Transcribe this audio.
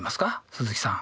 鈴木さん。